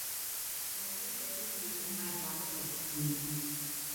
I go there every year and my daughter visits me.